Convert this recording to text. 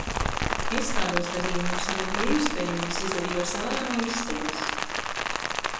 Es tādos gadījumos, ja vien bija iespējams, izlavījos ārā no istabas.